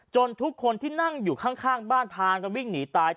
ทุกคนที่นั่งอยู่ข้างบ้านพากันวิ่งหนีตาย